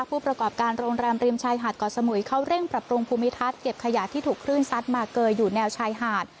ผู้ประกอบการโรงแรมริมชายหาดเกาะสมุยเขาเร่งปรับปรุงภูมิทัศน์เก็บขยะที่ถูกคลื่นซัดมาเกยอยู่แนวชายหาด